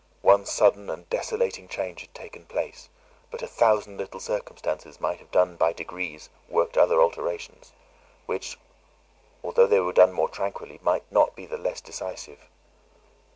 One sudden and desolating change had taken place; but a thousand little circumstances might have by degrees worked other alterations, which, although they were done more tranquilly, might not be the less decisive.